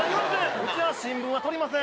うちは新聞は取りません。